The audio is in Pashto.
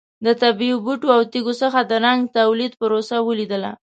د طبیعي بوټو او تېږو څخه د رنګ تولید پروسه ولیدله.